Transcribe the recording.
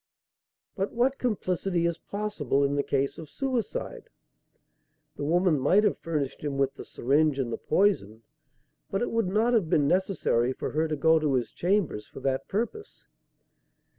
But what complicity is possible in the case of suicide? The woman might have furnished him with the syringe and the poison, but it would not have been necessary for her to go to his chambers for that purpose.